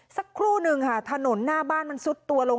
สักครู่หนึ่งค่ะถนนหน้าบ้านมันซุดตัวลง